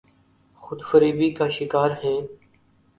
خود فریبی کا شکارہیں۔